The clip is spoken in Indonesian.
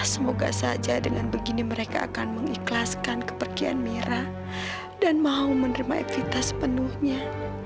semoga saja dengan begini mereka akan mengikhlaskan kepergian mira dan mau menerima evitas penuhnya